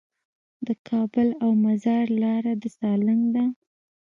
د کابل او مزار لاره د سالنګ ده